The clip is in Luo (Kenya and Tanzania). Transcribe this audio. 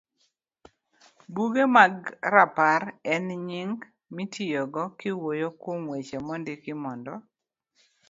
Buge mag Rapar en nying mitiyogo kiwuoyo kuom weche mondiki mondo